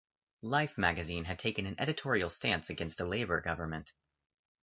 "Life" magazine had taken an editorial stance against the Labour government.